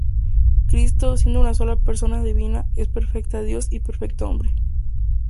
Cristo, siendo una sola Persona divina, es perfecto Dios y perfecto hombre.